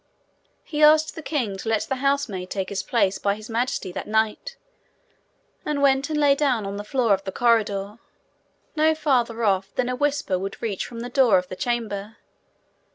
He asked the king to let the housemaid take his place by His Majesty that night, and went and lay down on the floor of the corridor, no farther off than a whisper would reach from the door of the chamber.